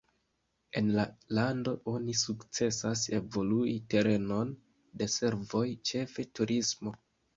En la lando oni sukcesas evolui terenon de servoj, ĉefe turismo.